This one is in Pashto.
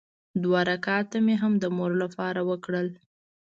دوه رکعته مې هم د مور لپاره وکړل.